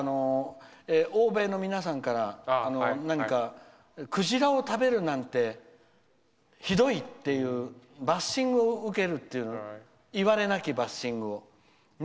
欧米の皆さんからくじらを食べるなんてひどいっていうバッシングを受けると言われなきバッシングを。